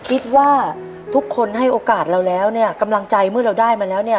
คิดว่าทุกคนให้โอกาสเราแล้วเนี่ยกำลังใจเมื่อเราได้มาแล้วเนี่ย